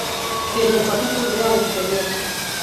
বেদের কথা পূর্বেই আলোচিত হইয়াছে।